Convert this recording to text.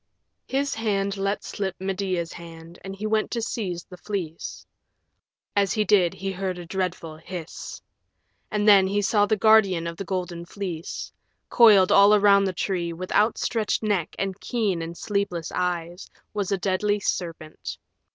His hand let slip Medea's hand and he went to seize the Fleece. As he did he heard a dreadful hiss. And then he saw the guardian of the Golden Fleece. Coiled all around the tree, with outstretched neck and keen and sleepless eyes, was a deadly serpent.